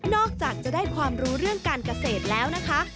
จากจะได้ความรู้เรื่องการเกษตรแล้วนะคะ